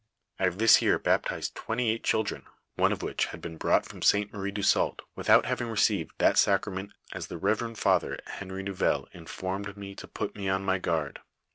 " I liave this your baptized twenty eight children, one of which had been brought from Ste. Marie du Sault, without having received that sacrament as the Rev. F. Henry Nouvel informed me, to put me on my guard.